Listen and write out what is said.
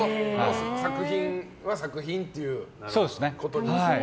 作品は作品っていうことですね。